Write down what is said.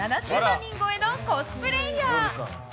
人超えのコスプレイヤー。